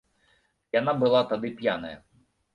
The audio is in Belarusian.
Яна была тады п'яная.